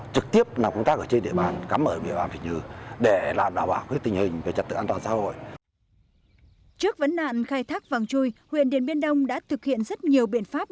trước vấn nạn khai thác vàng chui huyện điền biên đông đã thực hiện rất nhiều biện pháp